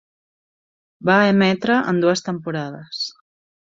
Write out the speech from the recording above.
Va emetre en dues temporades.